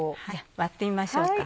割ってみましょうか。